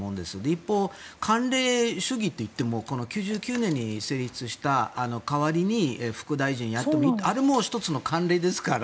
一方、慣例主義といっても９９年に成立した代わりに副大臣がやってもいいあれも１つの慣例ですから。